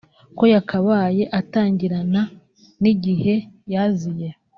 ko yakabaye atangirana n’igihe yaziye